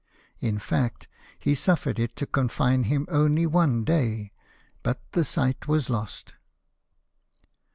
In fact, he suffered it to confine him only one day, but the sight was lost.